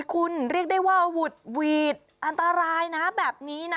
คุณเรียกได้ว่าหวุดหวีดอันตรายนะแบบนี้นะ